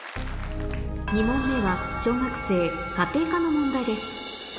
２問目は小学生家庭科の問題です